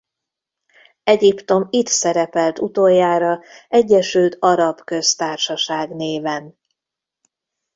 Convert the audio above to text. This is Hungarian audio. Egyiptom itt szerepelt utoljára Egyesült Arab Köztársaság néven.